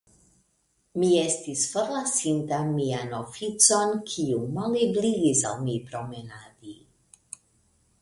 Mi estis forlasinta mian oficon, kiu malebligis al mi promenadi.